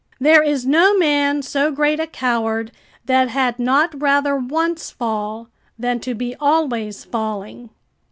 There is no man so great a coward, that had not rather once fall than to be always falling."